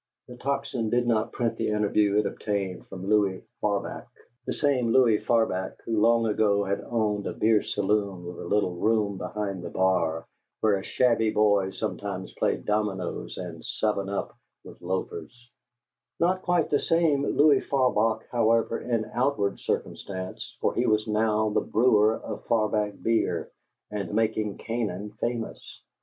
'" The Tocsin did not print the interview it obtained from Louie Farbach the same Louie Farbach who long ago had owned a beer saloon with a little room behind the bar, where a shabby boy sometimes played dominoes and "seven up" with loafers: not quite the same Louie Farbach, however, in outward circumstance: for he was now the brewer of Farbach Beer and making Canaan famous.